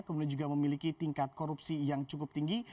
kemudian juga memiliki tingkat korupsi yang cukup tinggi